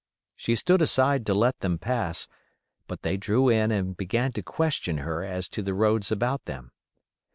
She stood aside to let them pass; but they drew in and began to question her as to the roads about them.